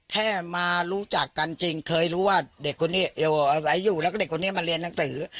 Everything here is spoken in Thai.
แค่มารู้จักกันจริงเคยรู้ว่าเด็กคนนี้อาศัยอยู่แล้วก็เด็กคนนี้มาเรียนหนังสือ